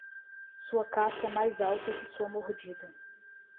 Sua casca é mais alta que sua mordida.